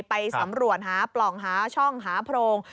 ไปสำรวจหาปล่องหาช่องหาโพรง